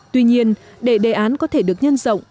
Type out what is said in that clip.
tuy nhiên để đề án có thể được nhân rộng